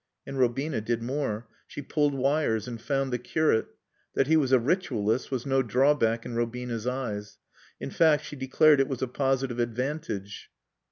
And Robina did more. She pulled wires and found the curate. That he was a ritualist was no drawback in Robina's eyes. In fact, she declared it was a positive advantage.